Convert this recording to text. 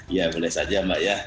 ya boleh saja mbak ya